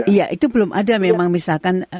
iya itu belum ada memang misalkan